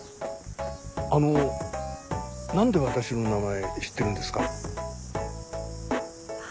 あの何で私の名前知ってるんですか？